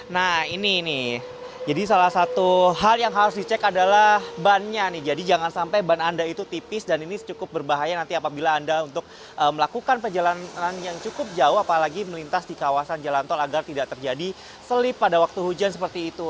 nah ini nih jadi salah satu hal yang harus dicek adalah bannya nih jadi jangan sampai ban anda itu tipis dan ini cukup berbahaya nanti apabila anda untuk melakukan perjalanan yang cukup jauh apalagi melintas di kawasan jalan tol agar tidak terjadi selip pada waktu hujan seperti itu